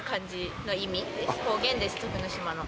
方言です徳之島の。